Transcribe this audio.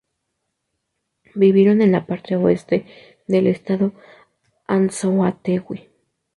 Vivieron en la parte oeste del Estado Estado Anzoátegui.